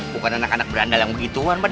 bukan anak anak berandal yang begituan pak